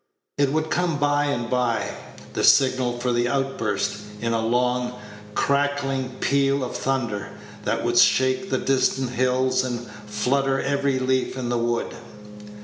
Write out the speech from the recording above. It would come by and by, the signal for the outburst, in a long, crackling peal of thunder, that would shake the distant hills and flutter every leaf in the wood.